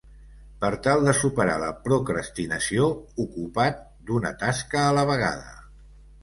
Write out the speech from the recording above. Per tal de superar la procrastinació, ocupa"t d"una tasca a la vegada.